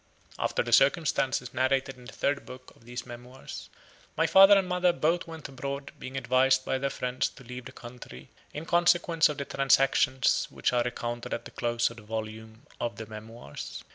After the circumstances narrated in the third book of these Memoirs, my father and mother both went abroad, being advised by their friends to leave the country in consequence of the transactions which are recounted at the close of the volume of the Memoirs.